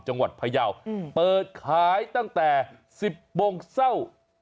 จังหวัดพยาวเปิดขายตั้งแต่๑๐โมงเศร้า